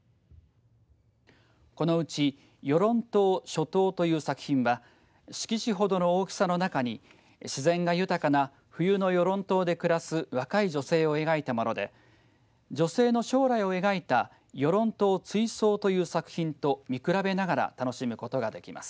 このうち与論島初冬という作品は色紙ほどの大きさの中に自然が豊かな冬の与論島で暮らす若い女性を描いたもので女性の将来を描いた与論島追想という作品と見比べながら楽しむことができます。